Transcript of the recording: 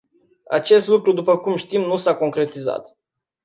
Acest lucru, după cum știm, nu s-a concretizat.